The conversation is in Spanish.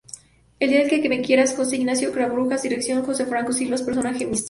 El día Que me Quieras, Jose Ignacio Cabrujas, Dirección Jose Francisco Silva, Personaje Mr.